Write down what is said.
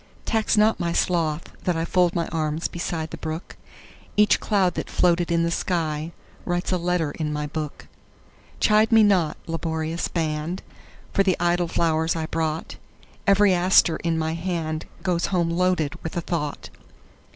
Tax not my sloth that IFold my arms beside the brook; Each cloud that floated in the skyWrites a letter in my book. Chide me not, laborious band, For the idle flowers I brought; Every aster in my handGoes home loaded with a thought.